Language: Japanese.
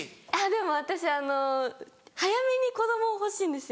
でも私早めに子供欲しいんですよ。